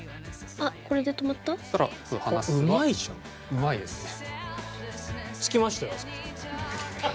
うまいですね。